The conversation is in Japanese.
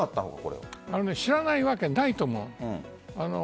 知らないわけないと思う。